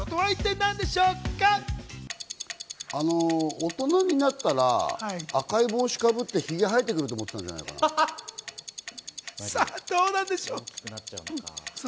大人になったら赤い帽子かぶってヒゲ生えてくると思ってたんじゃないの？